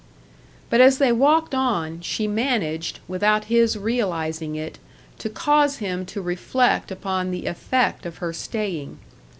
But as they walked on, she managed, without his realising it, to cause him to reflect upon the effect of her staying.